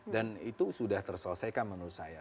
dan itu sudah terselesaikan menurut saya